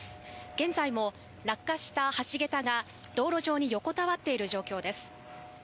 現在も落下した橋桁が道路上に横たわっている状況です。